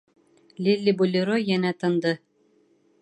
«Лиллибулеро» йәнә тынды.